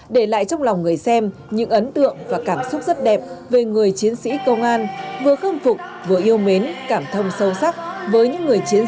để lại trong lòng người xem những ấn tượng và cảm xúc rất đẹp về người chiến sĩ công an vừa khâm phục vừa yêu mến cảm thông sâu sắc với những người chiến sĩ